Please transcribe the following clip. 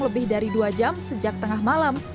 lebih dari dua jam sejak tengah malam